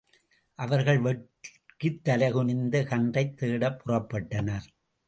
அவர்கள் வெட்கித் தலைகுனிந்து கன்றைத் தேடப் புறப்பட்டனர்.